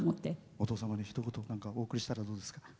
お父様に一言お送りしたらどうですか？